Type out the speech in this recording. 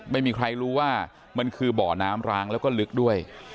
ไม่มีใครรู้ว่ามันคือบ่อน้ำร้างแล้วก็ลึกด้วย